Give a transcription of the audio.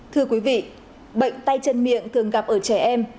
thưa quý vị bệnh tay chân miệng thường gặp ở trẻ em